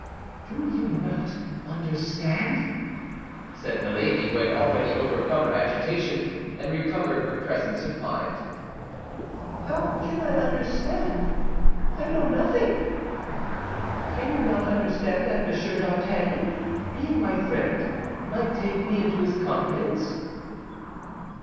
"Do you not understand?" said Milady, who had already overcome her agitation and recovered all her presence of mind. "How can I understand? I know nothing." "Can you not understand that Monsieur d'Artagnan, being my friend, might take me into his confidence?"